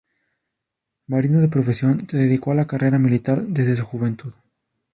Marino de profesión, se dedicó a la carrera militar desde su juventud.